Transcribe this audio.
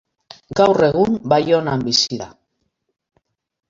Gaur egun Baionan bizi da.